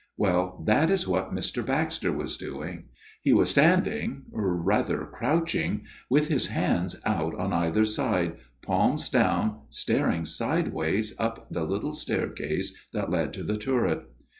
Well, that is what Mr. Baxter was doing. He was standing, rather crouching, with his hands out on either side, palms down, staring sideways up the little staircase that led to the turret.